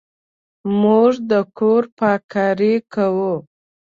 موږ د کور پاککاري کوو.